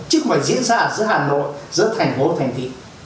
chứ không phải diễn ra ở giữa hà nội giữa thành phố thành tỉ